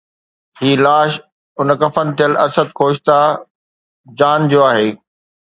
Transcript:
هي لاش اڻ کفن ٿيل اسد خوشتا جان جو آهي